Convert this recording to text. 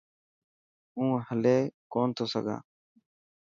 هون هلي ڪون ٿو سگھان.